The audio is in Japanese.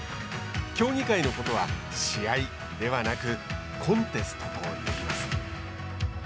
競技会のことは試合ではなくコンテストと呼びます。